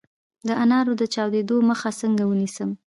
د انارو د چاودیدو مخه څنګه ونیسم؟